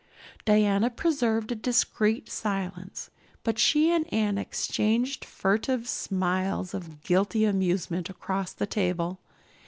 Diana preserved a discreet silence, but she and Anne exchanged furtive smiles of guilty amusement across the table.